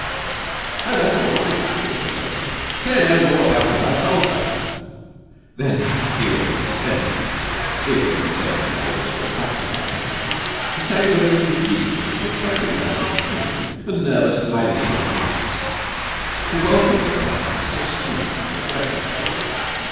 'Oh, that's all right,' said Lady Wetherby. 'Claire knows all about it I told her.' 'Then I appeal to Miss Fenwick, if, as you say, she knows all the facts of the case, to say whether it is reasonable to expect a man of my temperament, a nervous, highly strung artist, to welcome the presence of snakes at the breakfast table.